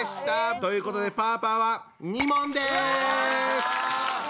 ということでパーパーは２問です！